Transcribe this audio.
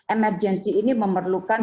emergensi ini memerlukan